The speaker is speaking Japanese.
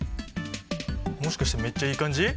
もしかしてめっちゃいい感じ？